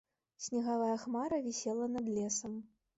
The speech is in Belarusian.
Снегавая хмара вісела над лесам.